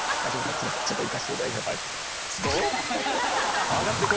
すいませんちょっといかしていただきます。